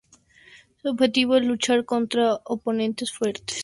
Su objetivo es luchar contra oponentes fuertes.